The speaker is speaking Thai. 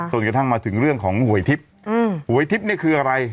กระทั่งมาถึงเรื่องของหวยทิพย์หวยทิพย์นี่คืออะไร